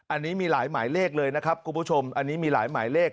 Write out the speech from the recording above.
อันนี้มีหลายหมายเลขเลยนะครับคุณผู้ชมอันนี้มีหลายหมายเลข